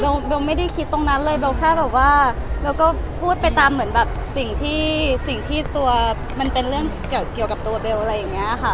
เบลไม่ได้คิดตรงนั้นเลยเบลแค่แบบว่าเบลก็พูดไปตามเหมือนแบบสิ่งที่สิ่งที่ตัวมันเป็นเรื่องเกี่ยวกับตัวเบลอะไรอย่างนี้ค่ะ